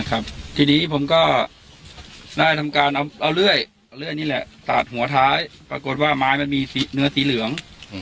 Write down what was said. ครับทีนี้ผมก็ได้ทำการเอาเลื่อยเอาเลื่อยนี่แหละตัดหัวท้ายปรากฏว่าไม้มันมีเนื้อสีเหลือง